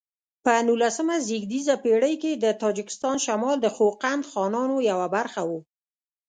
په نولسمه زېږدیزه پیړۍ کې د تاجکستان شمال د خوقند خانانو یوه برخه و.